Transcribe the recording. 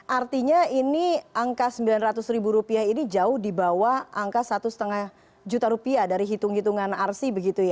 artinya ini angka rp sembilan ratus ini jauh di bawah angka rp satu lima juta dari hitung hitungan arsy